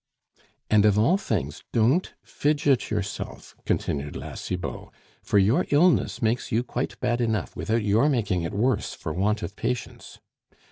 "And of all things, don't fidget yourself," continued La Cibot, "for your illness makes you quite bad enough without your making it worse for want of patience.